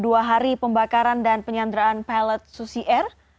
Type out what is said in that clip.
dua hari pembakaran dan penyanderaan pilot susi air